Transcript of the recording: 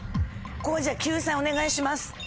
ここはじゃあ救済お願いします。